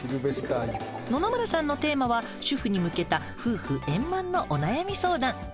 野々村さんのテーマは主婦に向けた夫婦円満のお悩み相談。